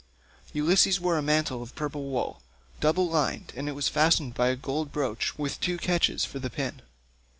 Ulysses wore a mantle of purple wool, double lined, and it was fastened by a gold brooch with two catches for the pin.